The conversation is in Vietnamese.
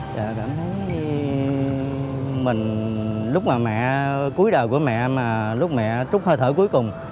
cảm thấy mình lúc mà mẹ cuối đời của mẹ mà lúc mẹ trút hơi thở cuối cùng